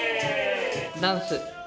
「ダンス」。